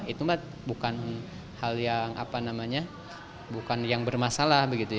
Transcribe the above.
itu mah bukan hal yang apa namanya bukan yang bermasalah begitu ya